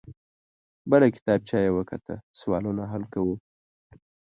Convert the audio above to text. بله کتابچه يې وکته. سوالونه حل وو.